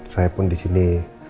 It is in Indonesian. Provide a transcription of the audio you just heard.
saya pun di sini